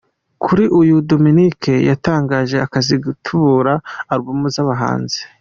Kuri ubu uyu Dominic yatangije akazi ko gutubura Album z’abahanzi.